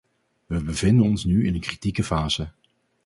We bevinden ons nu in een kritieke fase.